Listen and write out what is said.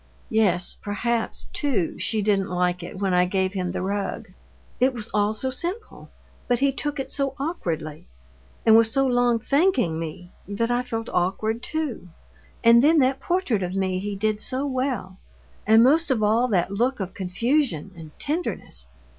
'" "Yes, perhaps, too, she didn't like it when I gave him the rug. It was all so simple, but he took it so awkwardly, and was so long thanking me, that I felt awkward too. And then that portrait of me he did so well. And most of all that look of confusion and tenderness!